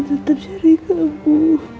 tetap cari kamu